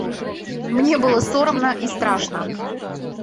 Мне было сорамна і страшна.